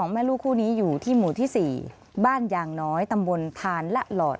แม่ลูกคู่นี้อยู่ที่หมู่ที่๔บ้านยางน้อยตำบลทานละหลอด